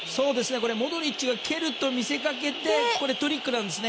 モドリッチが蹴ると見せかけてトリックなんですね。